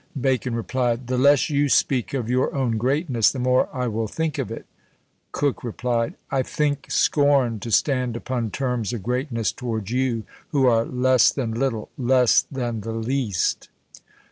Bacon replied "The less you speak of your own greatness, the more I will think of it." Coke replied "I think scorn to stand upon terms of greatness towards you, who are less than little, less than the least."